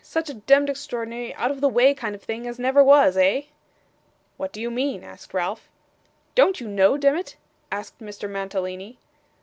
Such a demd extraordinary out of the way kind of thing as never was eh?' 'What do you mean?' asked Ralph. 'Don't you know, demmit?' asked Mr. Mantalini.